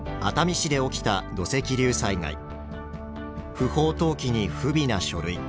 不法投棄に不備な書類。